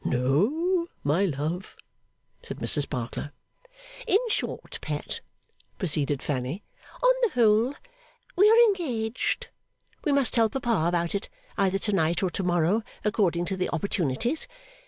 'No, my love,' said Mr Sparkler. 'In short, pet,' proceeded Fanny, 'on the whole, we are engaged. We must tell papa about it either to night or to morrow, according to the opportunities.